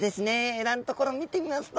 エラんところ見てみますと。